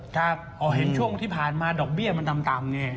ถ้าพอเห็นช่วงที่ผ่านมาดอกเบี้ยมันต่ำเนี่ย